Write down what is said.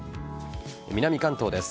南関東です。